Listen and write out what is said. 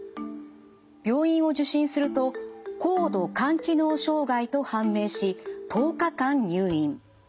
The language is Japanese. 病院を受診すると高度肝機能障害と判明し１０日間入院。